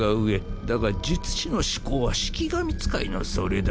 だが術師の思考は式神使いのそれだ。